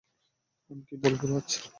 আমি কি বলবো রাজ?